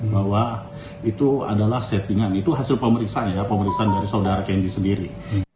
bahwa itu adalah settingan itu hasil pemeriksaan dari saudara kenji sendiri